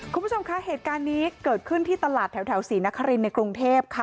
คุณผู้ชมคะเหตุการณ์นี้เกิดขึ้นที่ตลาดแถวศรีนครินในกรุงเทพค่ะ